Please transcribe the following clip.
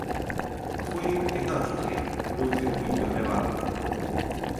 Foi en Austria nun circuíto nevado.